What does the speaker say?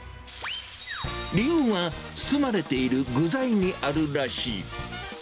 理由は、包まれている具材にあるらしい。